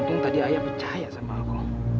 om tadi ayah percaya sama aku